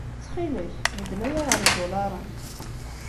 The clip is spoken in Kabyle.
Ttxil-k beddel aya ɣer yidulaṛen.